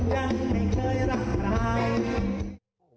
ถ้าเกิดมาให้รู้มันก็รู้ยังไม่เคยรักรัก